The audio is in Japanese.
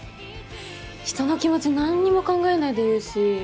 人の気持ち何にも考えないで言うし。